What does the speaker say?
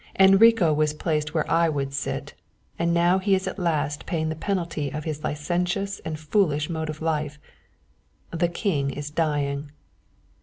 Enrico was placed where I would sit, and now he is at last paying the penalty of his licentious and foolish mode of life. The King is dying."